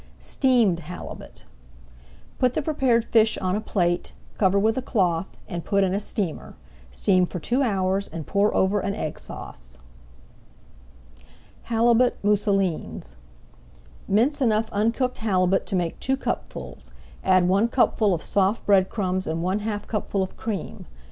STEAMED HALIBUT Put the prepared fish on a plate, cover with a cloth, and put in a steamer. Steam for two hours and pour over an Egg Sauce. HALIBUT MOUSSELINES Mince enough uncooked halibut to make two cupfuls, add one cupful of soft bread crumbs and one half cupful of cream.